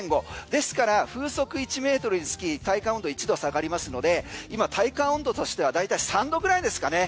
ですから風速１ｍにつき体感温度１度下がりますので今、体感温度としては大体３度ぐらいですかね。